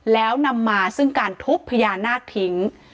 แล้วนำมาซึ่งการทุบพญานาคทิ้ง